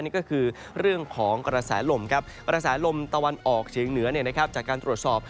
นี่ก็คือเรื่องของกระแสลมครับกระแสลมตะวันออกเฉียงเหนือจากการตรวจสอบ